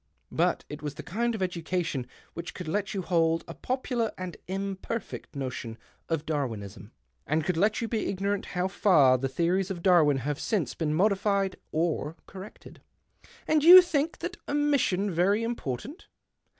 But it vas the kind of education which could let rou hold a popular and imperfect notion of Darwinism, and could let you be ignorant low far the theories of Darwin have since 3een modified or corrected." " And you think that omission very impor tant